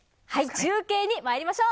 中継にまいりましょう。